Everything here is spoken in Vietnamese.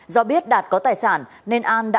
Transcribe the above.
do biết đạt có tài sản nên an đã